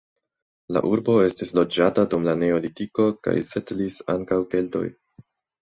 La urbo estis loĝata dum la neolitiko kaj setlis ankaŭ keltoj.